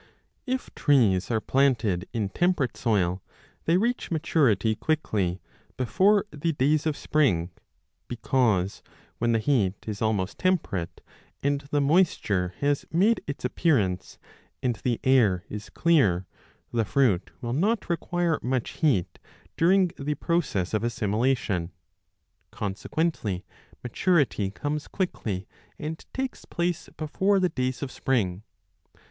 If trees are planted in temperate soil, they reach maturity quickly before the days 1 /;/ bitrln s, Arabic /// barbas, i.e. in pitieis (Meyer). 8 2 g b DE PLANTIS of spring, because, when the heat is almost temperate and 20 the moisture has made its appearance and the air is clear, the fruit will not require much heat during the process of assimilation. Consequently maturity comes quickly and takes place before the days of spring.